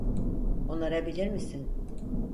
Onarabilir misin?